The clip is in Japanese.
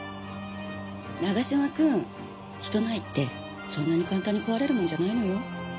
永嶋君人の愛ってそんなに簡単に壊れるものじゃないのよ。